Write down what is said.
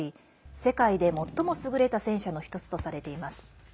世界で最も優れた戦車のひとつとされています。